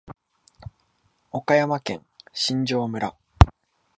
岡山県新庄村